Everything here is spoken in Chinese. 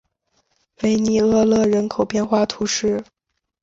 维涅厄勒人口变化图示